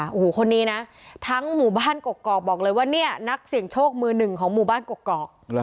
โอ้โหคนนี้นะทั้งหมู่บ้านกกอกบอกเลยว่าเนี่ยนักเสี่ยงโชคมือหนึ่งของหมู่บ้านกกอก